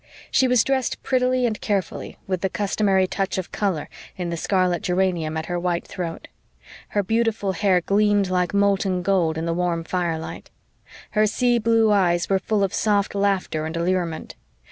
She was dressed prettily and carefully, with the customary touch of color in the scarlet geranium at her white throat. Her beautiful hair gleamed like molten gold in the warm firelight. Her sea blue eyes were full of soft laughter and allurement.